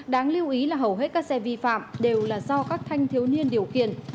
đáng lưu ý là hầu hết các xe vi phạm đều là do các thanh thiếu niên điều khiển